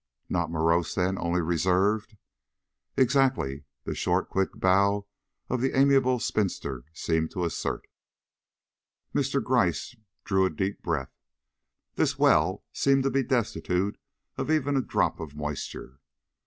"Not morose, then; only reserved." "Exactly," the short, quick bow of the amiable spinster seemed to assert. Mr. Gryce drew a deep breath. This well seemed to be destitute of even a drop of moisture.